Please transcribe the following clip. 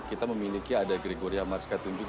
kita memiliki ada gregoria marskatunjuk